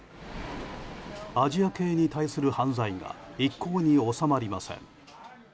アジア系に対する犯罪が一向に収まりません。